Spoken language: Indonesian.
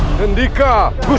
menyertai kalian semua